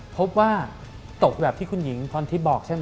พบว่าตกแบบที่คุณหญิงพรทิพย์บอกใช่ไหม